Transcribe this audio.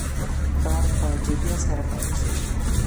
کار په جدیت سره پیل شو.